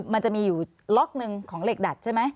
มันจะมีอยู่ล็อกหนึ่งของเหล็กดัดใช่ไหม